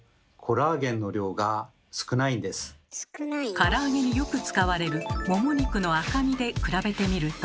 から揚げによく使われるもも肉の赤身で比べてみると。